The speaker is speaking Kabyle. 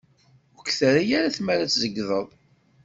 Ur k-terra ara tmara ad s-tzeyydeḍ.